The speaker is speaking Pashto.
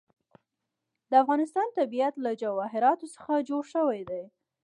د افغانستان طبیعت له جواهرات څخه جوړ شوی دی.